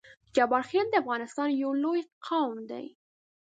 جبارخیل د افغانستان یو لوی قام دی